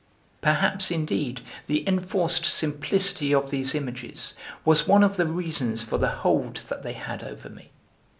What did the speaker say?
Perhaps, indeed, the enforced simplicity of these images was one of the reasons for the hold that they had over me.